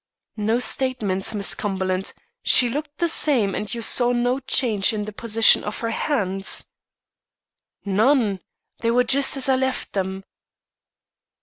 "No statements, Miss Cumberland. She looked the same, and you saw no change in the position of her hands?" "None; they were just as I left them."